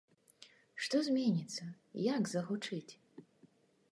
Што зменіцца, як загучыць?